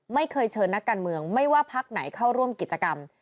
ไม่เคยเชิญนักการเมืองไม่ว่าพักไหนเข้าร่วมกิจกรรม